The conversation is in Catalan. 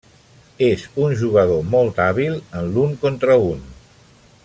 És un jugador molt hàbil en l'un contra un.